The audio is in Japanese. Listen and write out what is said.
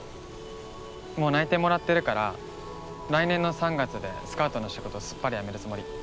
もう内定もらってるから来年の３月でスカウトの仕事すっぱり辞めるつもり。